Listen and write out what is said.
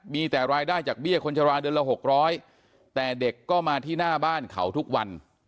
มีแต่รายได้จากเบี้ยคนชะลาเดือนละ๖๐๐แต่เด็กก็มาที่หน้าบ้านเขาทุกวัน